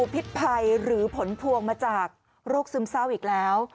พิษภัยหรือผลพวงมาจากโรคซึมเศร้าอีกแล้ว